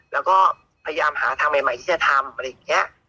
แล้วก็พยายามหาทางใหม่ที่จะทำอะไรอย่างนี้